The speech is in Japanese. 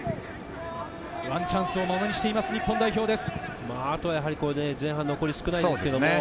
ワンチャンスをものにしている日本代表です。